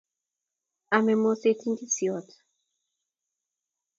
Ame moset indisiot